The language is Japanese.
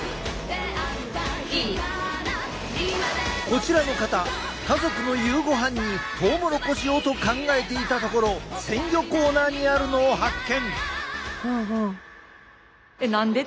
こちらの方家族の夕ごはんにトウモロコシをと考えていたところ鮮魚コーナーにあるのを発見。